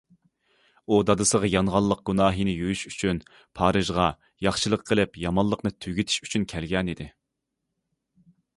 ئۇ دادىسىغا يانغانلىق گۇناھىنى يۇيۇش ئۈچۈن پارىژغا ياخشىلىق قىلىپ يامانلىقنى تۈگىتىش ئۈچۈن كەلگەنىدى.